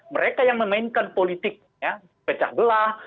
mereka yang memainkan politik pecah belah